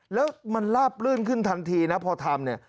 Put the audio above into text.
แล้วมันลาบลื่นขึ้นทันทีนะพอทำเนี่ย